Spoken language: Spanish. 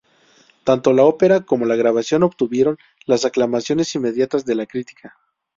Tanto la ópera como la grabación obtuvieron las aclamaciones inmediatas de la crítica.